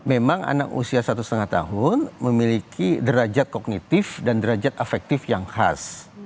memang anak usia satu lima tahun memiliki derajat kognitif dan derajat efektif yang khas